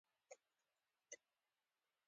د برمل ولسوالۍ ځنګلونه لري